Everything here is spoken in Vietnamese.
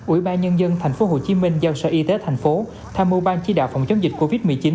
ủy ban nhân dân thành phố hồ chí minh giao sở y tế thành phố tham mưu ban chí đạo phòng chống dịch covid một mươi chín